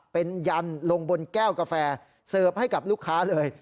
เป็นยันลงบนแก้วกาแฟเสิร์ฟให้กับลูกค้าเลย